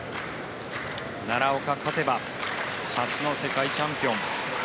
奈良岡、勝てば初の世界チャンピオン。